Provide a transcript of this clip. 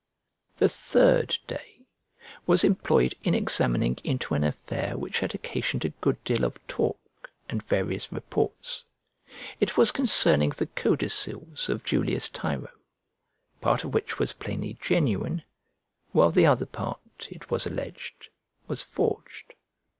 The third day was employed in examining into an affair which had occasioned a good deal of talk and various reports; it was concerning the codicils of Julius Tiro, part of which was plainly genuine, while the other part, it was alleged, was forged.